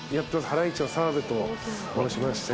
ハライチの澤部と申しまして。